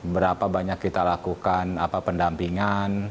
berapa banyak kita lakukan pendampingan